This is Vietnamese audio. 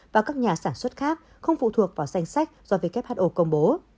và các nhà sản xuất khác không phụ thuộc vào danh sách do who công bố